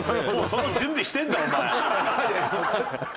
その準備してんだお前。